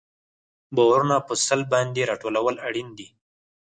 بارونه په سلب باندې راټولول اړین دي